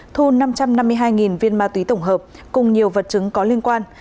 thu năm trăm năm mươi hai viên ma túy tổng hợp cùng nhiều vật chứng có liên quan